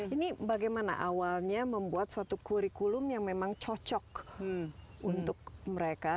ini bagaimana awalnya membuat suatu kurikulum yang memang cocok untuk mereka